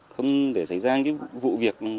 không để xảy ra vụ việc